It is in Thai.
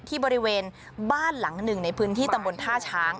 บริเวณบ้านหลังหนึ่งในพื้นที่ตำบลท่าช้าง